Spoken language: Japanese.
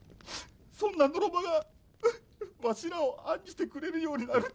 そんなのろまがわしらを案じてくれるようになるとは。